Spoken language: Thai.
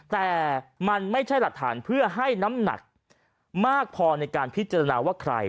แต่มันไม่ใช่หลักฐานเพื่อให้น้ำหนักมากพอในการพิจารณาว่าใคร